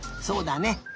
そうだね。